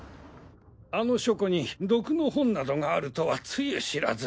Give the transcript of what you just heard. あの書庫に毒の本などがあるとは露知らず。